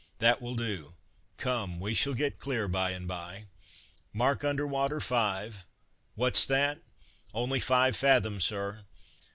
"That will do, come, we shall get clear by and by." "Mark under water five." "What 's that?" "Only five fathom, Sir."